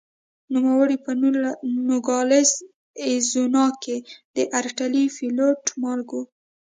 نوموړی په نوګالس اریزونا کې د ارټلي فلوټ مالک و.